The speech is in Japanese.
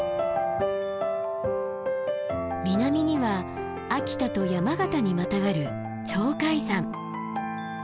南には秋田と山形にまたがる鳥海山。